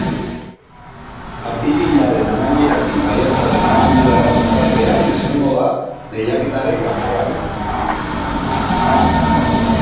Apirilaren amaieratik maiatzaren amaierara bitartean izango da lehiaketaren kanporaketa.